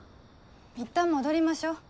いったん戻りましょ。